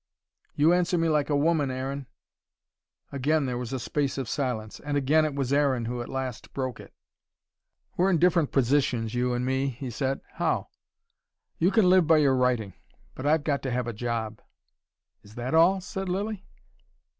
"You answer me like a woman, Aaron." Again there was a space of silence. And again it was Aaron who at last broke it. "We're in different positions, you and me," he said. "How?" "You can live by your writing but I've got to have a job." "Is that all?" said Lilly.